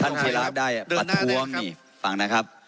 ท่านเจรัพย์ได้ประท้วงนี่ฟังนะครับ